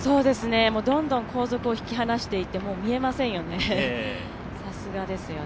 どんどん後続を引き離していってもう見えませんよね、さすがですよね。